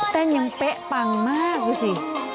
เต้นยังเป๊ะปังมากดูสิ